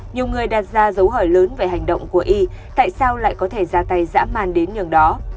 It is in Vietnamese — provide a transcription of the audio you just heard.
nhiều người đặt ra dấu hỏi lớn về hành động của y tại sao lại có thể ra tay dã man đến nhường đó